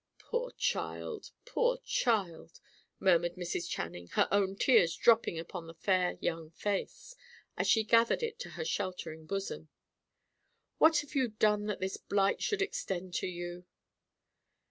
"Poor child! poor child!" murmured Mrs. Channing, her own tears dropping upon the fair young face, as she gathered it to her sheltering bosom. "What have you done that this blight should extend to you?"